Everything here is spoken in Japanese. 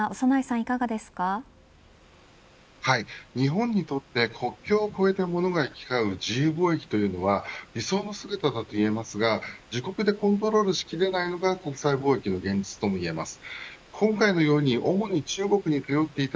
はい、日本にとって国境を越えたものが行き交う自由貿易というのは理想の姿だと思いますが自国でコントロールしきれないのが国際貿易の現実ともいえます。